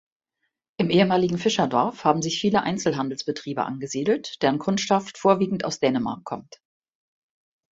Im ehemaligen Fischerdorf haben sich viele Einzelhandelsbetriebe angesiedelt, deren Kundschaft vorwiegend aus Dänemark kommt.